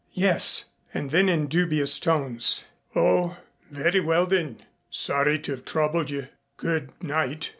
"Yes." And then in dubious tones: "Oh, very well then. Sorry to have troubled you. Good night."